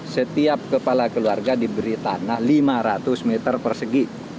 setiap kepala keluarga diberi tanah lima ratus meter persegi